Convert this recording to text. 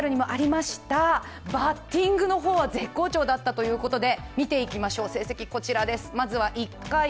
バッティングの方は絶好調だったということで。